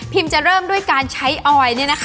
จะเริ่มด้วยการใช้ออย